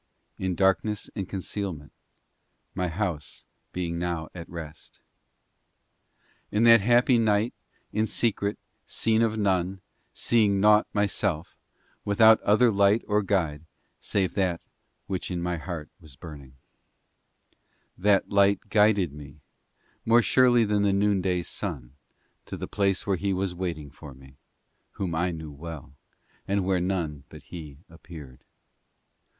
In darkness and concealment, My house being now at rest. il In that happy night, In secret, seen of none, And seeing nought myself, Without other light or guide Save that which in my heart was burning. ¥2 324 THE OBSCURE NIGHT OF THE SOUL. STANZAS. : IV That light guided me More surely than the noonday sun To the place where He was waiting for me, Whom I knew well, And where none but He appeared.